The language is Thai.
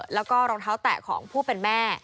แล้วก็รองเท้าแตะของผู้เป็นแม่